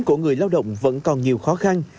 của người lao động vẫn còn nhiều khó khăn